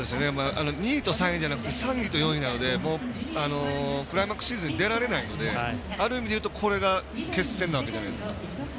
２位と３位じゃなくて３位と４位なのでクライマックスシリーズに出られないのである意味でいうと、これが決戦なわけじゃないですか。